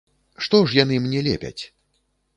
Што ж яны мне лепяць?!